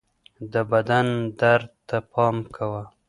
د بدن درد ته پام کوه